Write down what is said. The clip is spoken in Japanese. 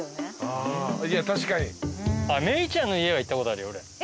メイちゃんの家は行ったことあるよ俺。